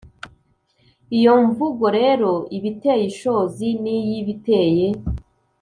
iyo mvugo rero « ibiteye ishozi » n'iy' « ibiteye